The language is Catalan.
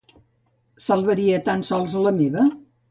Salvaria tan sols la meva?